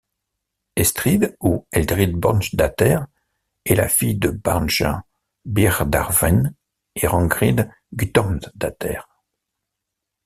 Estrid ou Eldrid Bjørnsdatter est la fille de Bjarne Byrdarsvein et Rangrid Guttormsdatter.